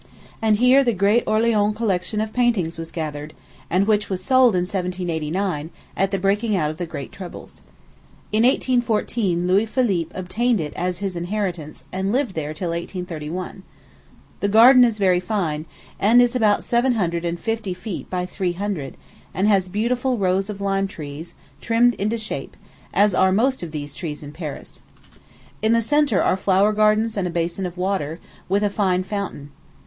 and here the great Orleans collection of paintings was gathered, and which was sold in 1789, at the breaking out of the great troubles. In 1814, Louis Philippe obtained it as his inheritance, and lived there till 1831. The garden is very fine, and is about seven hundred and fifty feet by three hundred, and has beautiful rows of lime trees, trimmed into shape, as are most of these trees in Paris. In the centre are flower gardens and a basin of water, with a fine fountain.